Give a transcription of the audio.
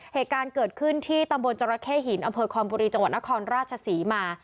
เหตุการณ์เกิดขึ้นที่ตำบลจรเข้หินอำเภอคอนบุรีจังหวัดนครราชศรีมา